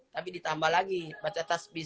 tapi ditambah lagi baca tasbih